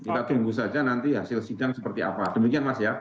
kita tunggu saja nanti hasil sidang seperti apa demikian mas ya